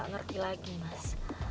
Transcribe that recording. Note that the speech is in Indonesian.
aku gak ngerti lagi mas